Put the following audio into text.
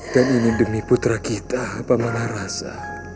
dan ini demi putra kita pamanarasa